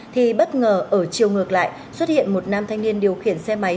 thì bất ngờ ở chiều ngược lại xuất hiện một nam thanh niên điều khiển xe máy